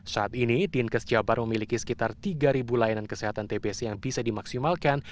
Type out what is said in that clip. saat ini din kes jawa barat memiliki sekitar tiga layanan kesehatan tbc yang bisa dimaksimalkan